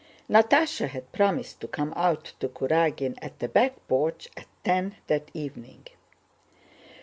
Natásha had promised to come out to Kurágin at the back porch at ten that evening.